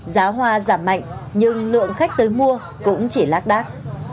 giá hoa giảm mạnh nhưng lượng khách tới mua cũng chỉ lác đác